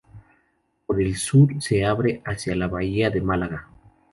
Por el sur se abre hacia la Bahía de Málaga.